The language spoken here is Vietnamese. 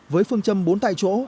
với phương châm bốn tại chỗ